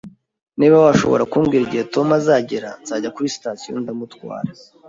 Niba washobora kumbwira igihe Tom azagera, nzajya kuri sitasiyo ndamutwara